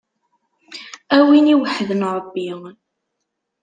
A win iweḥden Ṛebbi.